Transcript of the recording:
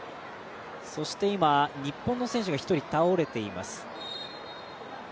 今、日本の選手が１人、倒れています。